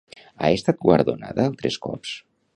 Ha estat guardonada altres cops?